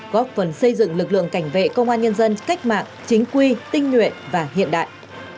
góp phần xây dựng lực lượng cảnh vệ công an nhân dân cách mạng chính quy tinh nguyện và hiện đại